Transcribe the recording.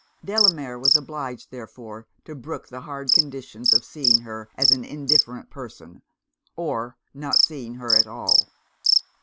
Delamere was obliged therefore to brook the hard conditions of seeing her as an indifferent person, or not seeing her at all.